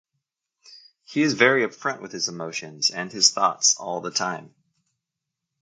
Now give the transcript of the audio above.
He is very up-front with his emotions and his thoughts all the time.